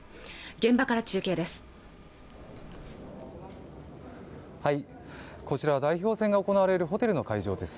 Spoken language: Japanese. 現場から中継です